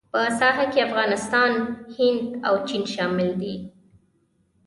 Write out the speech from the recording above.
په ساحه کې افغانستان، هند او چین شامل دي.